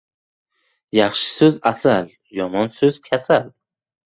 • Yaxshi so‘z ― asal, yomon so‘z ― kasal.